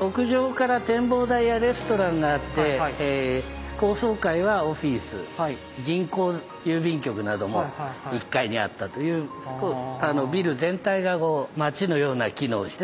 屋上から展望台やレストランがあって高層階はオフィス銀行郵便局なども１階にあったというビル全体がこう街のような機能をしてたビルですね。